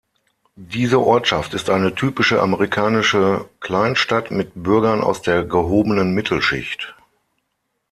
Diese Ortschaft ist eine typische amerikanische Kleinstadt mit Bürgern aus der gehobenen Mittelschicht.